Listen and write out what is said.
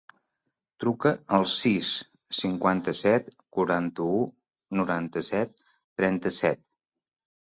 Truca al sis, cinquanta-set, quaranta-u, noranta-set, trenta-set.